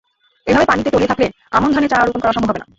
এভাবে পানিতে তলিয়ে থাকলে আমন ধানের চারা রোপণ করা সম্ভব হবে না।